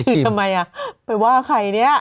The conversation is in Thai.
หนูจัดทำไมไปว่าใครนี่